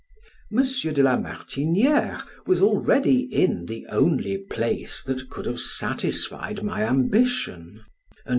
M. de la Martiniere was already in the only place that could have satisfied my ambition, and M.